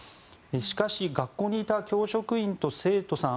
しかし学校にいた教職員と生徒さん